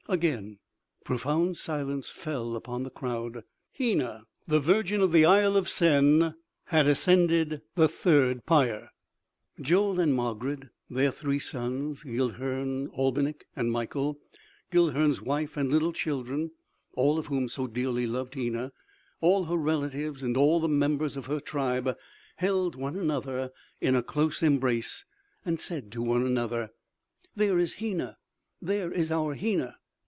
Again profound silence fell upon the crowd. Hena, the virgin of the Isle of Sen, had ascended the third pyre. Joel and Margarid, their three sons, Guilhern, Albinik and Mikael, Guilhern's wife and little children all of whom so dearly loved Hena, all her relatives and all the members of her tribe held one another in a close embrace, and said to one another: "There is Hena.... There is our Hena!"